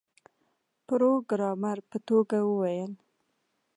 پروګرامر په ټوکه وویل